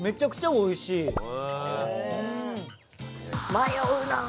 迷うなあ。